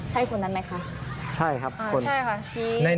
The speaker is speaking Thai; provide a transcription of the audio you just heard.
ใช่คนนั้นไหมคะใช่ครับใช่ค่ะ